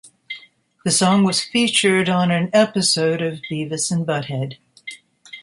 The song was featured on an episode of "Beavis and Butthead".